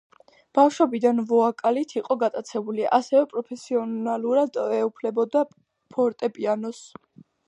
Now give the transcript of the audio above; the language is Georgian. ბავშვობიდან ვოკალით იყო გატაცებული, ასევე პროფესიონალურად ეუფლებოდა ფორტეპიანოს.